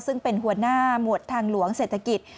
ซึ่งเป็นหัวหน้าหมวดทางหลวงเศรษฐกิจ